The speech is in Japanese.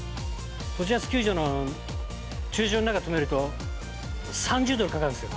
ドジャース球場の駐車場の中、止めると、３０ドルかかるんですよ。